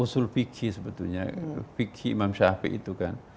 usul fikih sebetulnya fikih imam syafi'i itu kan